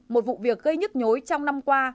một vụ việc gây nhức nhối trong năm qua